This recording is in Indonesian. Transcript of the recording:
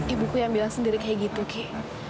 ibuku yang bilang sendiri kayak gitu kik